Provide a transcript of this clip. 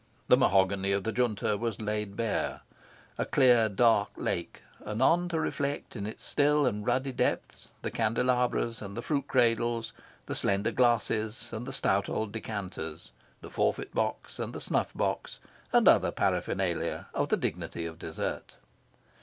The mahogany of the Junta was laid bare a clear dark lake, anon to reflect in its still and ruddy depths the candelabras and the fruit cradles, the slender glasses and the stout old decanters, the forfeit box and the snuff box, and other paraphernalia of the dignity of dessert.